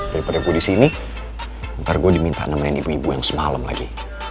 daripada gue di sini ntar gue diminta nemenin ibu ibu yang semalam lagi